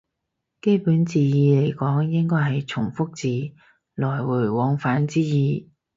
基本字義嚟講應該係從復字，來回往返之意